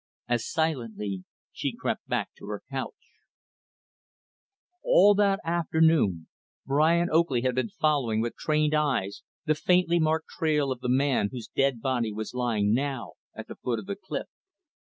As silently, she crept back to her couch. All that afternoon Brian Oakley had been following with trained eyes, the faintly marked trail of the man whose dead body was lying, now, at the foot of the cliff.